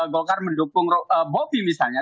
golkar mendukung bobby misalnya